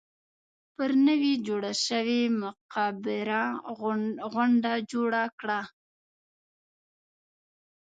پر نوې جوړه شوې مقبره غونډه جوړه کړه.